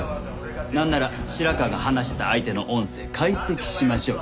なんなら白河が話してた相手の音声解析しましょうか？